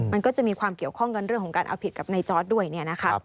มันก็จะมีความเกี่ยวข้องกับเรื่องของการเอาผิดกับนายจ๊อตด้วยนะครับ